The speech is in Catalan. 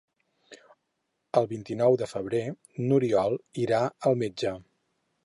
El vint-i-nou de febrer n'Oriol irà al metge.